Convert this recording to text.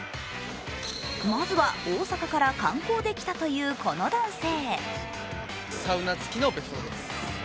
まずは大阪から観光で来たというこの男性。